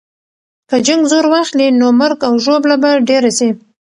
که جنګ زور واخلي، نو مرګ او ژوبله به ډېره سي.